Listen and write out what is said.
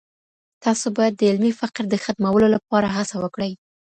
تاسو بايد د علمي فقر د ختمولو لپاره هڅه وکړئ.